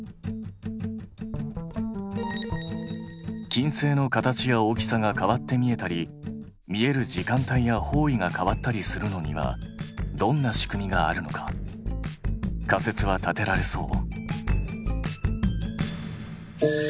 金星の形や大きさが変わって見えたり見える時間帯や方位が変わったりするのにはどんな仕組みがあるのか仮説は立てられそう？